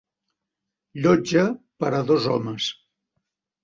Llotja per a dos homes.